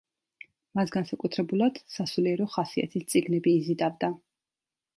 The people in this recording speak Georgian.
მას განსაკუთრებულად სასულიერო ხასიათის წიგნები იზიდავდა.